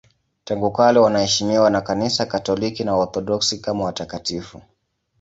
Tangu kale wanaheshimiwa na Kanisa Katoliki na Waorthodoksi kama watakatifu.